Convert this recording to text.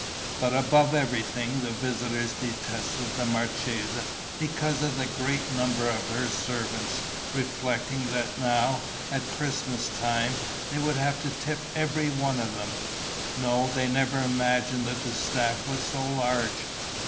But above everything the visitors detested the marchesa because of the great number of her servants, reflecting that now, at Christmas time, they would have to tip every one of them. No, they never imagined that the staff was so large!